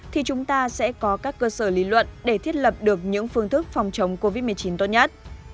thì chúng ta sẽ có các cơ sở lý luận để thiết lập được những phương thức phòng chống covid một mươi chín tốt nhất